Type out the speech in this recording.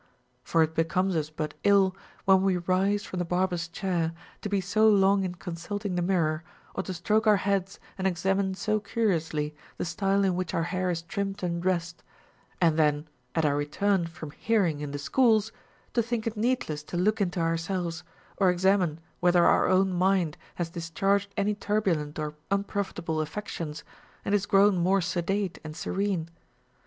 For it becomes us but ill, when we rise from the barber's chair, to be so long in consulting the mirror, or to stroke our heads and examine so curiously the style in which our hair is trimmed and dressed, and then, at our return from hearing in the schools, to think it needless to look into ourselves, or examine whether our own mind has discharged any turbulent or unprofitable afi"ec * Simonides, Frag. No. 47. " OF HEARING. 451 tions and is grown more sedate and serene.